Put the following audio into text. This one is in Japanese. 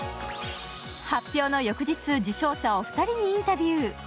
発表の翌日、受賞者お二人にインタビュー。